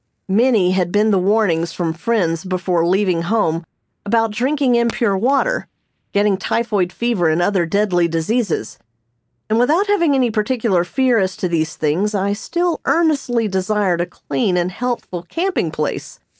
Many had been the warnings from friends before leaving home about drinking impure water, getting typhoid fever and other deadly diseases, and without having any particular fear as to these things I still earnestly desired a clean and healthful camping place.